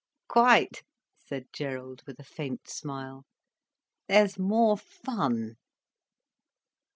"Quite," said Gerald, with a faint smile. "There's more fun."